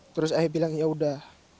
terus ayah bilang yaudah